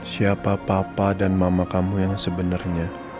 siapa papa dan mama kamu yang sebenarnya